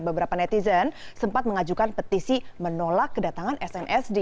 beberapa netizen sempat mengajukan petisi menolak kedatangan snsd